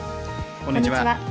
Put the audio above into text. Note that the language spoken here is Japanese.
こんにちは。